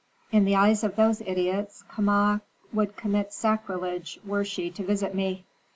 In the eyes of those idiots Kama would commit sacrilege were she to visit me."